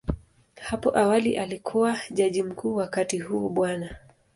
Hapo awali alikuwa Jaji Mkuu, wakati huo Bw.